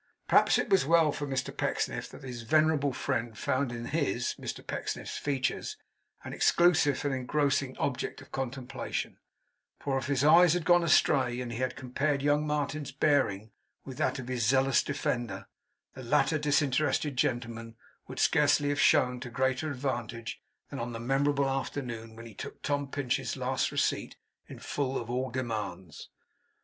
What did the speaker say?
Perhaps it was well for Mr Pecksniff that his venerable friend found in his (Mr Pecksniff's) features an exclusive and engrossing object of contemplation, for if his eyes had gone astray, and he had compared young Martin's bearing with that of his zealous defender, the latter disinterested gentleman would scarcely have shown to greater advantage than on the memorable afternoon when he took Tom Pinch's last receipt in full of all demands.